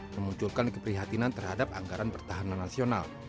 memunculkan keprihatinan terhadap anggaran pertahanan nasional